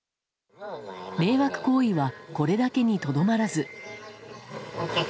迷惑行為はこれだけにとどまらず。